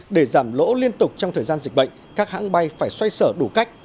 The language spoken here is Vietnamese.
để giảm lỗ liên tục trong thời gian dịch bệnh các hãng bay phải xoay sở đủ cách